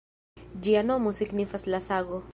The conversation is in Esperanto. Ĝia nomo signifas “La Sago”.